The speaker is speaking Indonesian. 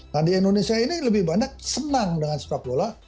nah di indonesia ini lebih banyak senang dengan sepak bola